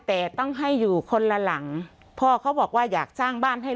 แต่ต้องให้อยู่คนละหลังพ่อเขาบอกว่าอยากสร้างบ้านให้